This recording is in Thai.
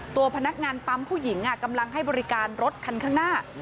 ตัวพนักงานปั๊มผู้หญิงกำลังให้บริการรถคันข้างหน้า